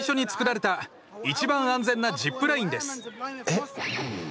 えっ？